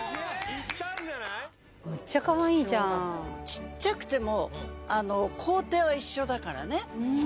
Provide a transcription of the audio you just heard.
ちっちゃくても工程は一緒だからね作る。